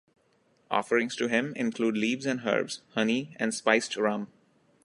Offerings to him include leaves and herbs, honey, and spiced rum.